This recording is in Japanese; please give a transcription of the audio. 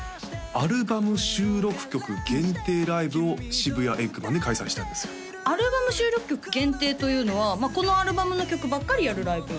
アルバム収録曲限定ライブをｓｈｉｂｕｙａｅｇｇｍａｎで開催したんですアルバム収録曲限定というのはこのアルバムの曲ばっかりやるライブ？